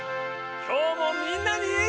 きょうもみんなに。